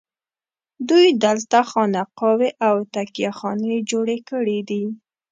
دوی دلته خانقاوې او تکیه خانې جوړې کړي دي.